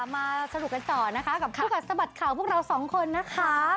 มาสนุกกันต่อนะคะกับคู่กัดสะบัดข่าวพวกเราสองคนนะคะ